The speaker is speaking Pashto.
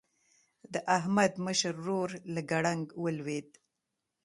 د احمد مشر ورور له ګړنګ ولوېد.